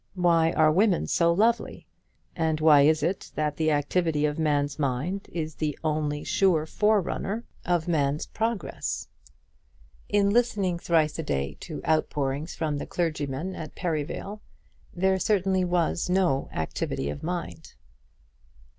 Why are women so lovely? and why is it that the activity of man's mind is the only sure forerunner of man's progress? In listening thrice a day to outpourings from the clergymen at Perivale, there certainly was no activity of mind.